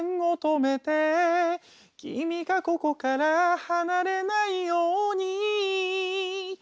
「君がここから離れないように」